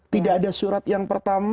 tidak ada surat yang pertama